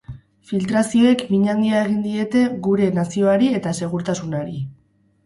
Filtrazioek min handia egin diete gure nazioari eta segurtasunari.